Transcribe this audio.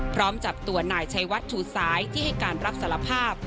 พร้อมจับตัวนายชัยวัดชูสายที่ให้การรับสารภาพ